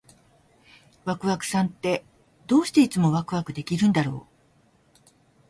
ワクワクさんって、どうしていつもワクワクできるんだろう？